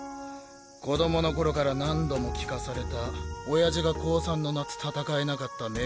子供の頃から何度も聞かされた親父が高３の夏戦えなかった明